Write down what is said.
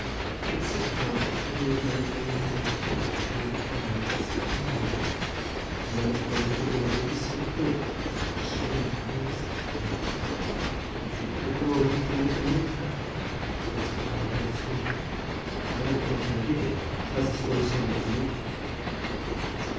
I can see at a glance how you would manage the light in the tent, and bring it down just on the nail. And then the pose of the woman would be so good, so much strength, and yet such grace! You should have the bowl he drank the milk out of, so as to tell the whole story. No painter living tells a story so well as you do, Conway."